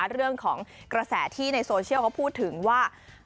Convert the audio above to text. เรื่องของกระแสที่ในโซเชียลเขาพูดถึงว่า